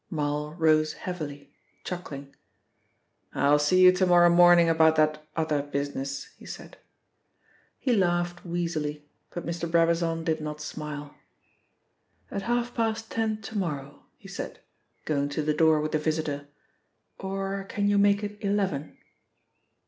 Marl rose heavily, chuckling. "I'll see you to morrow morning about that other business," he said. He laughed wheezily, but Mr. Brabazon did not smile. "At half past ten to morrow," he said, going to the door with the visitor. "Or can you make it eleven?"